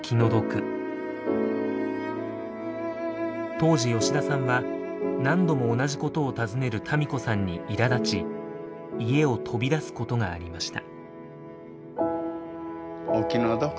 当時吉田さんは何度も同じことを尋ねる多美子さんにいらだち家を飛び出すことがありました。